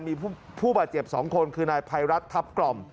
มีผู้บาดเจ็บ๒คนคือนายภัยรัฐทัพกล่อม